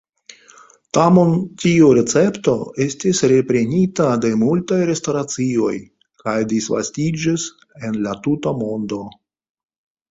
Tamen tiu recepto estis reprenita de multaj restoracioj kaj disvastiĝis en la tuta mondo.